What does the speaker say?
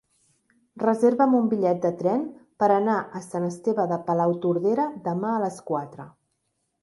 Reserva'm un bitllet de tren per anar a Sant Esteve de Palautordera demà a les quatre.